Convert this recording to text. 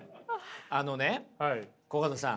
あのねコカドさん。